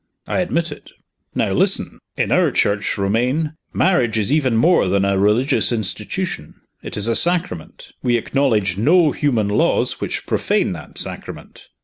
"I admit it." "Now, listen! In our church, Romayne, marriage is even more than a religious institution it is a sacrament. We acknowledge no human laws which profane that sacrament.